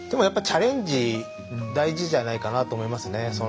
やっぱチャレンジ大事じゃないかなと思いますね。